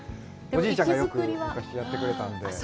おじいちゃんがよく昔やってくれたので。